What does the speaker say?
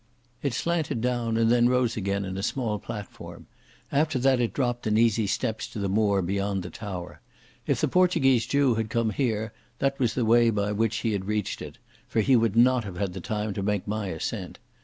It slanted down and then rose again to a small platform. After that it dropped in easy steps to the moor beyond the tower. If the Portuguese Jew had come here, that was the way by which he had reached it, for he would not have had the time to make my ascent.